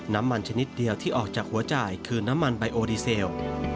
ชนิดเดียวที่ออกจากหัวจ่ายคือน้ำมันไบโอดีเซล